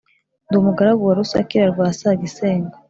Ndi umugaragu wa Rusakira rwa Sagisengo,